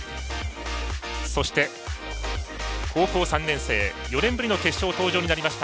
そして高校３年生４年ぶりの決勝登場となりました